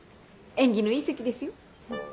縁起のいい席ですよ。